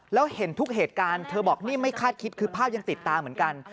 แล้วเห็นทุกเหตุการณ์เธอบอกนี่ไม่คาดคิดคือภาพยังติดตาเหมือนกัน